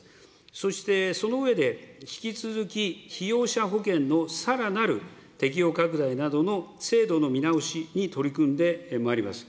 そしてその上で、引き続き被用者保険のさらなる適用拡大などの制度の見直しに取り組んでまいります。